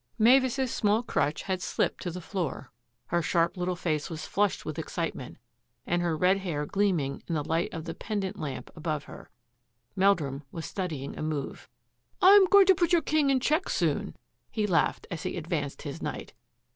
Mavis's small crutch had slipped to the floor, her sharp little face was flushed with excitement, and her red hair gleaming in the light of the pendent lamp above her, Mel drum was studying a move. " I'm going to put your king in check soon," he laughed as he advanced his knight.